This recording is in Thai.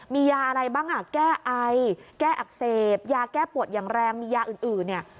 มียาอะไรบ้างอ่ะแก้ไอแก้อักเสบยาแก้ปวดอย่างแรงมียาอื่นเนี่ย